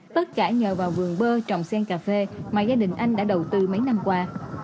tất cả nhờ vào vườn bơ trồng sen cà phê mà gia đình anh đã đầu tư mấy năm qua